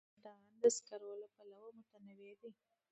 افغانستان د زغال له پلوه متنوع دی.